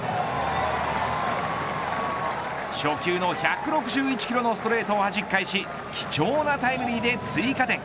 初球の１６１キロのストレートをはじき返し貴重なタイムリーで追加点。